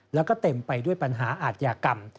แล้วก็เต็มไปด้วยปัญหาอาทยากรรม